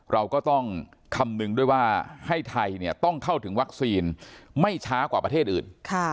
เราก็ต้องคำนึงด้วยว่าให้ไทยต้องเข้าถึงวัคซีนไม่ช้ากว่าประเทศอื่น